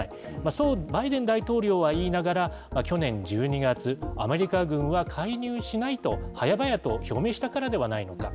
そうバイデン大統領は言いながら、去年１２月、アメリカ軍は介入しないと、早々と表明したからではないのか。